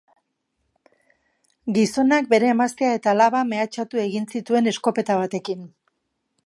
Gizonak bere emaztea eta alaba mehatxatu egin zituen eskopeta batekin.